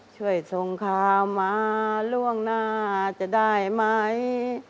ช่วยส่งข่าวมาล่วงหน้าจะได้ไหม